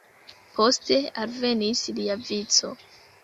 Poste alvenis lia vico.